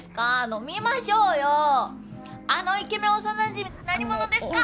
飲みましょうよーあのイケメン幼なじみ何者ですか？